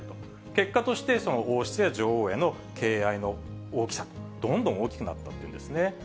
結果として王室や女王への敬愛の大きさ、どんどん大きくなったというんですね。